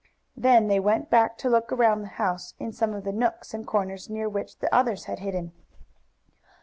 Then they went back to look around the house, in some of the nooks and corners near which the others had hidden.